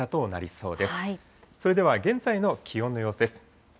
それでは現在の気温の様子です。